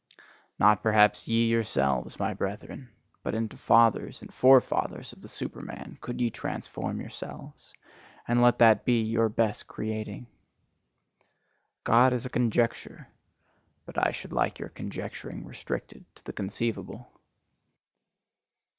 Not perhaps ye yourselves, my brethren! But into fathers and forefathers of the Superman could ye transform yourselves: and let that be your best creating! God is a conjecture: but I should like your conjecturing restricted to the conceivable.